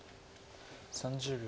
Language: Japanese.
３０秒。